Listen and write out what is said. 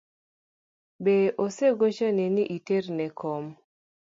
Be osegochoni ni iter ne kom?